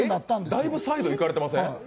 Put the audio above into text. だいぶサイドいかれてません？